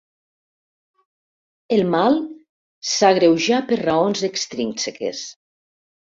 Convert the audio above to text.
El mal s'agreujà per raons extrínseques.